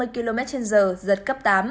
bốn mươi năm mươi km trên giờ giọt cấp tám